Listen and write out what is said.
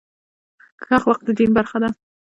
ښه اخلاق د دین برخه ده.